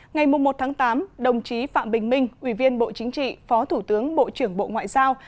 ngày một tám đồng chí phạm bình minh ủy viên bộ chính trị phó thủ tướng bộ trưởng bộ ngoại giao